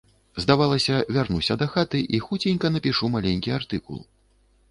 Здавалася, вярнуся дахаты і хуценька напішу маленькі артыкул.